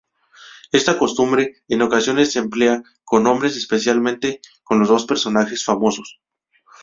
Esta costumbre en ocasiones se emplea con nombres, especialmente con los de personajes famosos.